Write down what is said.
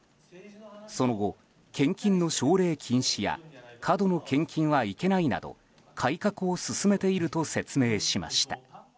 その後、献金の奨励禁止や過度の献金はいけないなど改革を進めていると説明しました。